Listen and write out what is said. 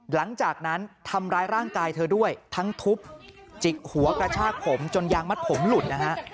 หลังจากนั้นทำร้ายร่างกายเธอด้วยทั้งทุบจิกหัวกระชากผมจนยางมัดผมหลุดนะฮะ